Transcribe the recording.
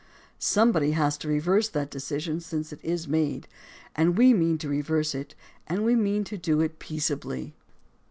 Somebody has to reverse that decision since it is made; and we mean to reverse it, and we mean to do it peaceably.